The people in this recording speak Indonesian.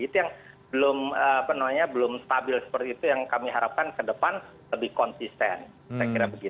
itu yang belum stabil seperti itu yang kami harapkan ke depan lebih konsisten